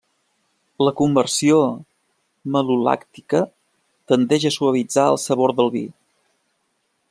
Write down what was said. La conversió malolàctica tendeix a suavitzar el sabor del vi.